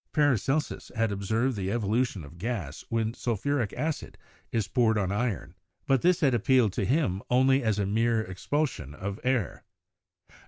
Paracelsus had observed the evolution of gas when sulphuric acid is poured on iron, but this had ap pealed to him only as a mere expulsion of air.